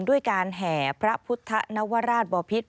ด้วยการแห่พระพุทธนวราชบอพิษ